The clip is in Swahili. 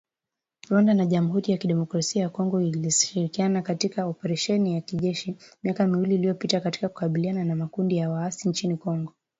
Rwanda na Jamhuri ya kidemokrasia ya Kongo zilishirikiana katika operesheni ya kijeshi miaka miwili iliyopita katika kukabiliana na makundi ya waasi nchini Kongo